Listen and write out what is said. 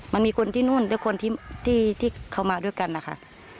มันมีคนที่นู่นด้วยคนที่เขามาด้วยกันนะคะ